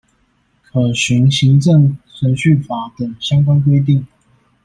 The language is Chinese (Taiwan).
可循行政程序法等相關規定